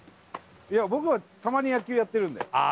僕はたまに野球やってるんでああ